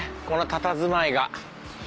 このたたずまいが。